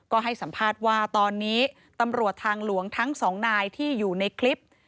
ก็ให้สัมภาษณ์ว่าตอนนี้ตำรวจทางหลวงทั้งสองนายที่อยู่ในคลิป